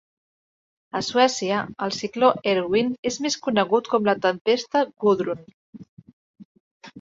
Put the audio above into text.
A Suècia, el cicló Erwin és més conegut com la tempesta Gudrun.